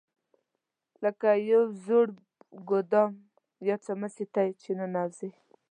لکه یو زوړ ګودام یا څمڅې ته چې ننوځې.